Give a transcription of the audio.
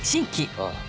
ああ。